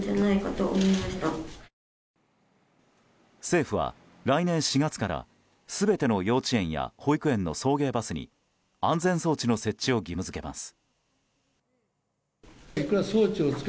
政府は来年４月から全ての幼稚園や保育園の送迎バスに安全装置の設置を義務付けます。